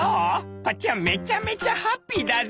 こっちはめちゃめちゃハッピーだぜ」。